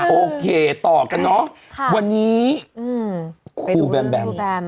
โอเคต่อกันเนอะวันนี้ครูแบมแบมแบม